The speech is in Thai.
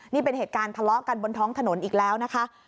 นี่เป็นเหตุการณ์ทะเลาะกันบนท้องถนนอีกแล้วนะคะ